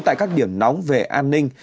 tại các điểm nóng về an ninh